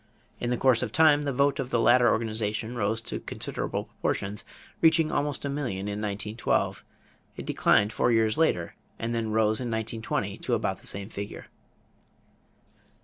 In the course of time the vote of the latter organization rose to considerable proportions, reaching almost a million in 1912. It declined four years later and then rose in 1920 to about the same figure.